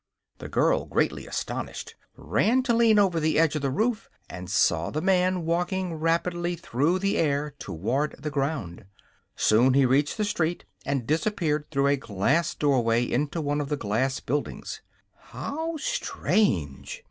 The girl, greatly astonished, ran to lean over the edge of the roof, and saw the man walking rapidly through the air toward the ground. Soon he reached the street and disappeared through a glass doorway into one of the glass buildings. "How strange!"